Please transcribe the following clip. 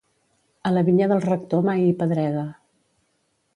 A la vinya del rector mai hi pedrega.